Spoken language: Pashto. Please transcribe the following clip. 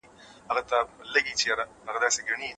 علمي څېړنو ته ارزښت ورکړئ.